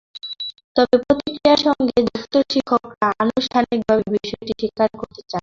তবে প্রক্রিয়ার সঙ্গে যুক্ত শিক্ষকেরা আনুষ্ঠানিকভাবে বিষয়টি স্বীকার করতে চান না।